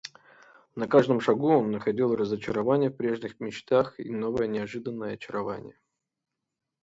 На каждом шагу он находил разочарование в прежних мечтах и новое неожиданное очарование.